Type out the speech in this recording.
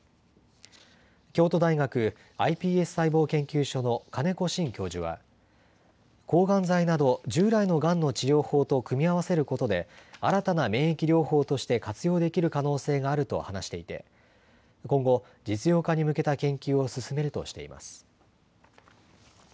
京都大学ｉＰＳ細胞研究所の金子新教授は抗がん剤など従来のがんの治療法と組み合わせることで新たな免疫療法として活用できる可能性があると話していて今後、実用化に向けた研究を進めるとしています。